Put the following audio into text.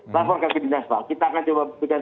laporkan ke dinas pak kita akan coba berikan